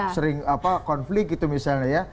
sering konflik gitu misalnya ya